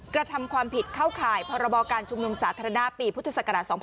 กระทำความผิดเข้าข่ายพรการชุมนุมสาธารณะปีพศ๒๕๕๘